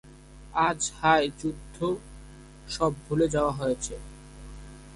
আজ হাও যুদ্ধ সব ভুলে যাওয়া হয়েছে।